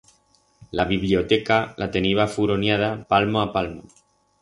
La bibllioteca la teniba furoniada palmo a palmo.